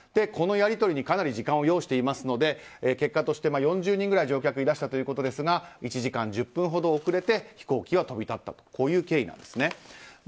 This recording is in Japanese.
このやり取りにかなり時間を要していますので結果として４０人くらい乗客がいらしたということですが１時間１０分ほど遅れて飛行機は飛び立ったとこういう経緯なんですね。